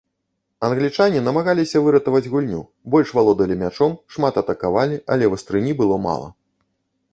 Англічане намагаліся выратаваць гульню, больш валодалі мячом, шмат атакавалі, але вастрыні было мала.